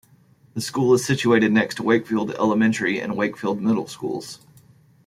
The school is situated next to Wakefield Elementary and Wakefield Middle schools.